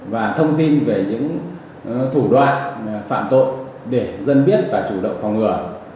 và thông tin về những thủ đoạn phạm tội để dân biết và chủ động phòng ngừa